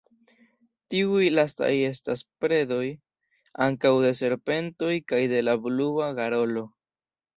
Tiuj lastaj estas predoj ankaŭ de serpentoj kaj de la Blua garolo.